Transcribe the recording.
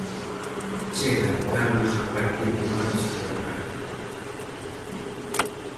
Chegan cambios a partir do martes pola tarde.